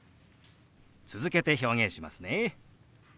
続けて表現しますね。